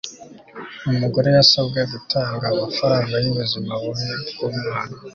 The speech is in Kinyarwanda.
Umugore yasabwe gutanga amafaranga yubuzima bubi bwumwana